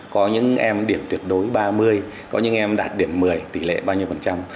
có những em điểm tuyệt đối ba mươi có những em đạt điểm một mươi tỷ lệ bao nhiêu phần trăm